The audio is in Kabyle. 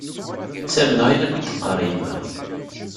Ttamneɣ ayen akk i d-teqqar yemma.